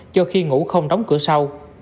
cho khi ngủ không đóng cửa sau